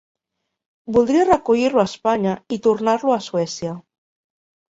Voldria recollir-lo a Espanya i tornar-lo a Suècia.